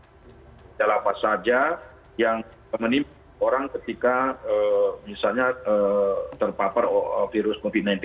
misalnya apa saja yang menimbulkan orang ketika terpapar virus covid sembilan belas ini